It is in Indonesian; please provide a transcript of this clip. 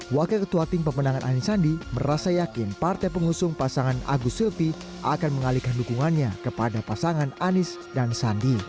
wakil ketua tim pemenangan anies sandi merasa yakin partai pengusung pasangan agus silpi akan mengalihkan dukungannya kepada pasangan anies dan sandi